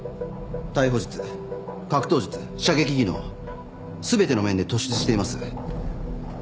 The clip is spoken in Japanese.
逮捕術格闘術射撃技能全ての面で突出しています。